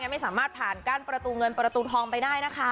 ไม่สามารถผ่านกั้นประตูเงินประตูทองไปได้นะคะ